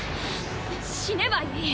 死ねばいい。